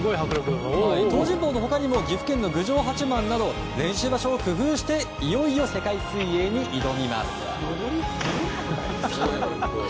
東尋坊の他にも岐阜県の郡上八幡など練習場所を工夫していよいよ世界水泳に挑みます。